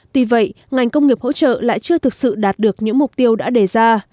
tuy vậy ngành công nghiệp hỗ trợ lại chưa thực sự đạt được những mục tiêu đã đề ra